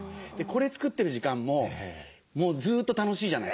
これ作ってる時間ももうずっと楽しいじゃないですか。